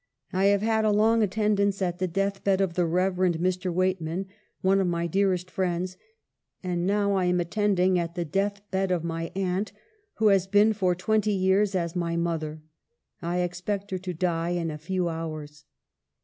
I have had a long attendance at the death bed of the Rev. Mr. Weightman, one of my dearest friends, and now I am attending at the death bed of my Aunt, who has been for twenty years as my mother. I expect her to die in a few hours.